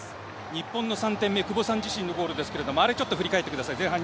日本の３点目久保さん自身のゴールですがあれを振り返ってください。